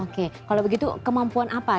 oke kalau begitu kemampuan apa